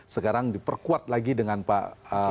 sekarang diperkuat lagi dengan pak